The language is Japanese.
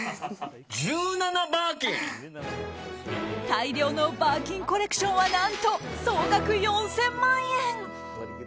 大量のバーキンコレクションは何と総額４０００万円。